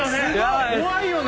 怖いよね？